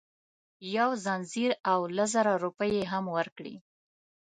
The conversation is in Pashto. یو ځنځیر او لس زره روپۍ یې هم ورکړې.